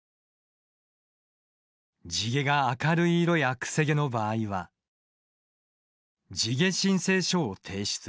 地毛が明るい色やくせ毛の場合は「地毛申請書」を提出。